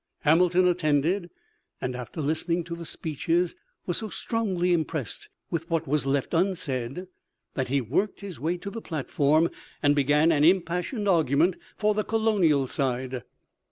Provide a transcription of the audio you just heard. Hamilton attended, and after listening to the speeches was so strongly impressed with what was left unsaid that he worked his way to the platform and began an impassioned argument for the colonial side.